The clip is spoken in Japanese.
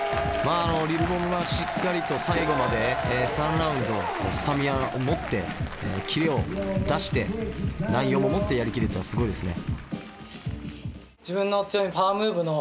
ＬＩＬ’ＢＯＭはしっかりと最後まで３ラウンドスタミナを持ってキレを出して内容も持ってやりきるっていうのはすごいですね。